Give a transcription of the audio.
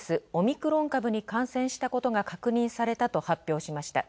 クロン株に感染したことが確認されたと発表しました。